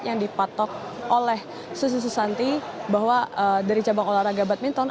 yang dipatok oleh susi susanti bahwa dari cabang olahraga badminton